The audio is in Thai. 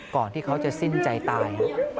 ก่อนที่เขาจะสิ้นใจตาย